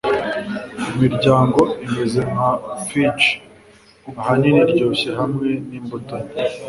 imiryango imeze nka fudge - ahanini iryoshye hamwe n'imbuto nke